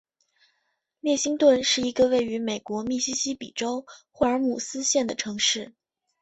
列辛顿是一个位于美国密西西比州霍尔姆斯县的城市。